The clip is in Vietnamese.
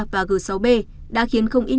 và g sáu b đã khiến không ít